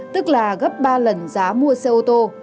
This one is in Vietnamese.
tức là gấp ba lần giá mua xe ô tô